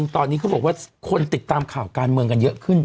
ตอนนี้เขาบอกว่าคนติดตามข่าวการเมืองกันเยอะขึ้น